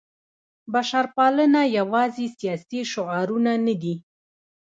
بشرپالنه یوازې سیاسي شعارونه نه دي.